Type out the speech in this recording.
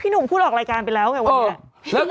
หนุ่มพูดออกรายการไปแล้วไงวันนี้